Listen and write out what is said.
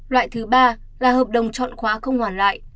loại thứ ba là hợp đồng chọn khóa không hoàn lại